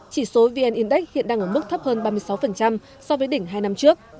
chỉ số vn index hiện đang ở mức thấp hơn ba mươi sáu so với đỉnh hai năm trước